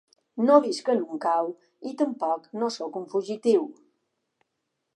No visc en un cau i tampoc no sóc un fugitiu.